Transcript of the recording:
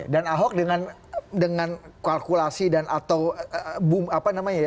dan ahok dengan kalkulasi dan atau boom apa namanya ya